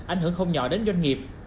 ảnh hưởng không nhỏ đến doanh nghiệp